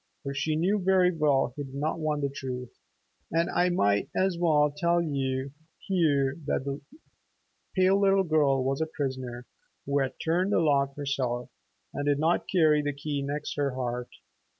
For she knew very well he did not want the truth. And I might as well tell you here that that pale little girl was a prisoner who had not turned the lock herself, and did not carry the key next her heart.